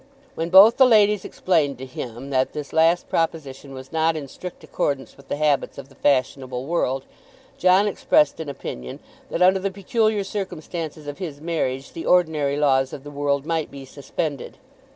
When both the ladies explained to him that this last proposition was not in strict accordance with the habits of the fashionable world, John expressed an opinion that, under the peculiar circumstances of his marriage, the ordinary laws of the world might be suspended.